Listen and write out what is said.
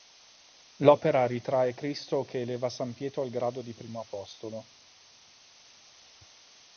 L'opera ritrae Cristo che eleva San Pietro al grado di primo apostolo.